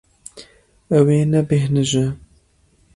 Ew ê nebêhnije.